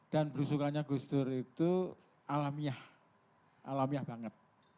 dan belusukannya gus dur itu alamiah alamiah banget